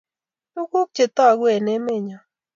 Tukuk che toguu eng' emenyoo